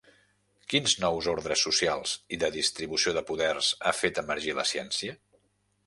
Quins nous ordres socials i de distribució de poders ha fet emergir la ciència?